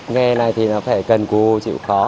nghề này thì nó phải cần cù chịu khó